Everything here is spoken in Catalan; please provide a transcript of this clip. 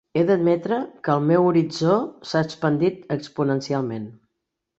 He d'admetre que el meu horitzó s'ha expandit exponencialment.